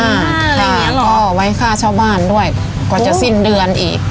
อะไรอย่างเงี้ยหรอก็เอาไว้ค่าชาวบ้านด้วยกว่าจะสิ้นเดือนอีก